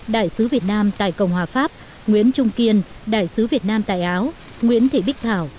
đại sứ việt nam tại cộng hòa pháp nguyễn trung kiên đại sứ việt nam tại áo nguyễn thị bích thảo